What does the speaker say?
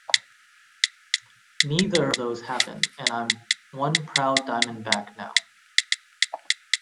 Neither of those happened and I'm one proud Diamondback now.